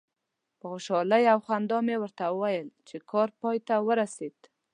په خوشحالي او خندا مې وویل چې کار پای ته ورسید.